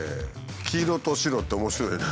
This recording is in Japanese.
黄色と白って面白いね。